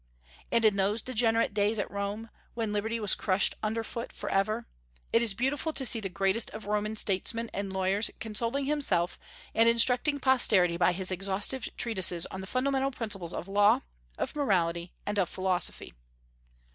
And in those degenerate days at Rome, when liberty was crushed under foot forever, it is beautiful to see the greatest of Roman statesmen and lawyers consoling himself and instructing posterity by his exhaustive treatises on the fundamental principles of law, of morality, and of philosophy.